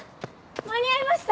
間に合いました？